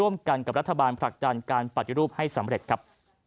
ร่วมกันกับรัฐบาลผลักดันการปฏิรูปให้สำเร็จครับ